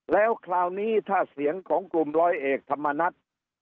แล้วคราวนี้ถ้าเสียงของกลุ่มร้อยเอกธรรมนัฐ